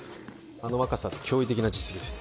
あの若さで驚異的な実績です